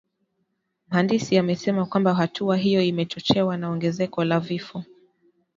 Mhandisi amesema kwamba hatua hiyo imechochewa na ongezeko la vifo